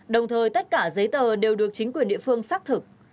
đồng thời tất cả giấy tờ đều được chính quyền địa phương xác thực